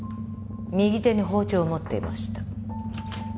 右手に包丁を持っていました。